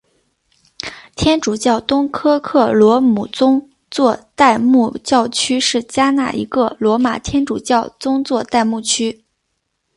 天主教东科克罗姆宗座代牧教区是加纳一个罗马天主教宗座代牧区。